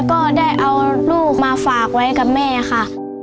ก็ได้เอาลูกมาฝากไว้กับแม่ค่ะ